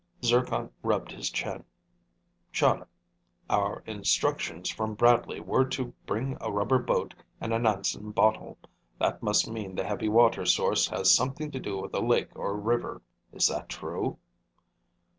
Zircon rubbed his chin. "Chahda, our instructions from Bradley were to bring a rubber boat and a Nansen bottle. That must mean the heavy water source has something to do with a lake or river. Is that true?"